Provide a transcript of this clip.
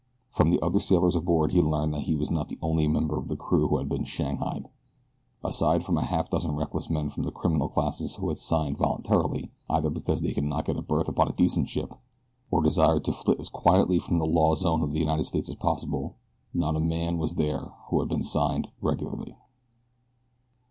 From the other sailors aboard he learned that he was not the only member of the crew who had been shanghaied. Aside from a half dozen reckless men from the criminal classes who had signed voluntarily, either because they could not get a berth upon a decent ship, or desired to flit as quietly from the law zone of the United States as possible, not a man was there who had been signed regularly.